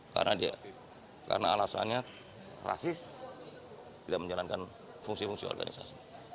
karena dia karena alasannya rasis tidak menjalankan fungsi fungsi organisasi